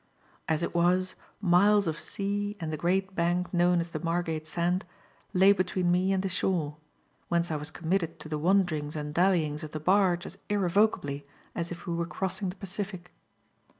As it was miles of sea and the great bank known as the Margate Sand, lay between me and the shore; whence I was committed to the wanderings and dallyings of the barge as irrevocably as if we were crossing the Pacific.